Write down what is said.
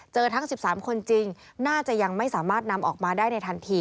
ทั้ง๑๓คนจริงน่าจะยังไม่สามารถนำออกมาได้ในทันที